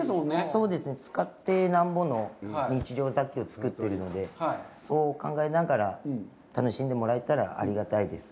そうですね、使ってなんぼの日用品を使っていますので、そう考えながら楽しんでもらえたらありがたいです。